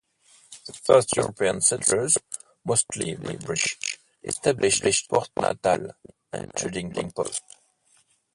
The first European settlers, mostly British, established Port Natal, a trading post.